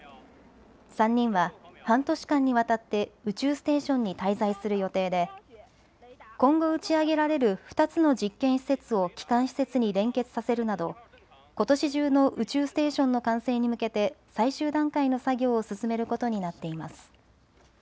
３人は半年間にわたって宇宙ステーションに滞在する予定で今後、打ち上げられる２つの実験施設を基幹施設に連結させるなどことし中の宇宙ステーションの完成に向けて最終段階の作業を進めることになっています。